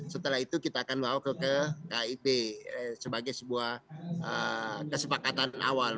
setelah itu kita akan bawa ke kip sebagai sebuah kesepakatan awal